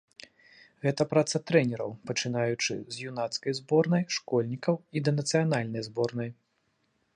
Гэта праца трэнераў, пачынаючы з юнацкай зборнай, школьнікаў і да нацыянальнай зборнай.